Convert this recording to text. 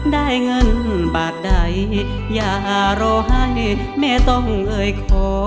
ได้เงินบาทใดอย่ารอให้แม่ต้องเอ่ยขอ